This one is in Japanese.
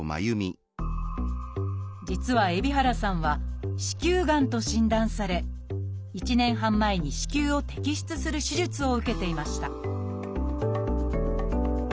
実は海老原さんは「子宮がん」と診断され１年半前に子宮を摘出する手術を受けていました